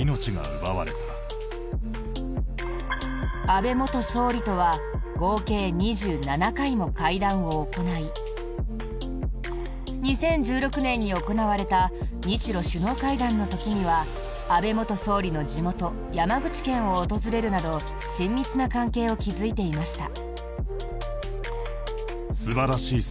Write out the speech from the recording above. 安倍元総理とは合計２７回も会談を行い２０１６年に行われた日ロ首脳会談の時には安倍元総理の地元・山口県を訪れるなど親密な関係を築いていました。